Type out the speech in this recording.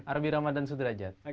arby ramadan sudrajat